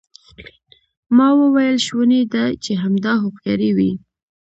ما وویل شونې ده چې همدا هوښیاري وي.